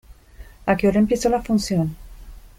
¿A qué hora empieza la función?